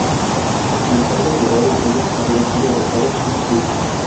En el cargo, liberó detenidos que habían sido arrestados sin juicio.